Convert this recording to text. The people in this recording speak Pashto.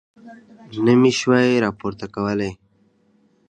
نه مې شوای راپورته کولی.